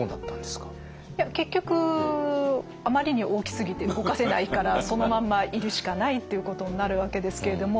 結局あまりに大きすぎて動かせないからそのまんまいるしかないっていうことになるわけですけれども。